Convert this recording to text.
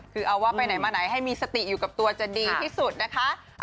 คือเอาว่าไปไหนมาไหนให้มีสติอยู่กับตัวจะดีที่สุดนะคะ